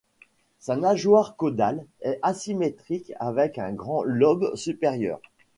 Sa nageoire caudale est asymétrique avec un grand lobe supérieur.